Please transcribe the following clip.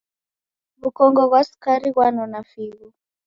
W'ukongo ghwa sukari ghwanona figho.